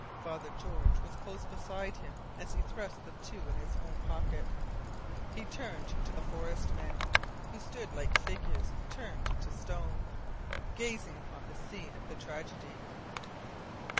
Father George was close beside him as he thrust the two in his own pocket. He turned to the forest men, who stood like figures turned to stone, gazing upon the scene of the tragedy.